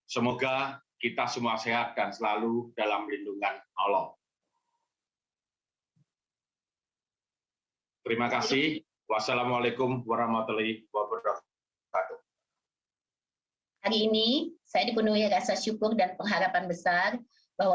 semoga kita semua sehat dan selalu dalam lindungan allah